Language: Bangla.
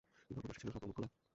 কিন্তু অপর পাশ ছিল সম্পূর্ণ খোলা।